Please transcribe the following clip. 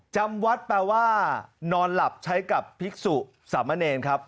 จำวัดแปลว่านอนหลับใช้กับภิกษุสามเณรครับ